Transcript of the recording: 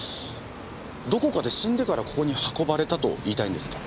どこかで死んでからここに運ばれたと言いたいんですか？